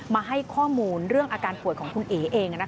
มาให้ข้อมูลเรื่องอาการป่วยของคุณเอ๋เอง